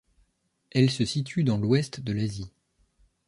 Elle se situe dans l'ouest de l'Asie.